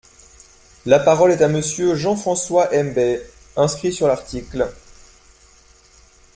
La parole est à Monsieur Jean François Mbaye, inscrit sur l’article.